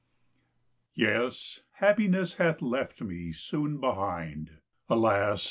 ] Yes, Happiness hath left me soon behind! Alas!